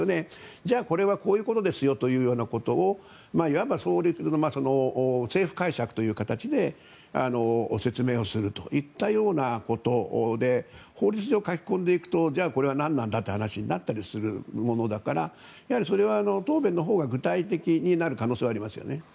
じゃあこれはこういうことですよというようなことをいわば政府解釈という形で説明するといったようなことで法律上書き込んでいくとじゃあこれはなんなんだとなったりするものだからそれは答弁のほうが具体的になる可能性はありますよね。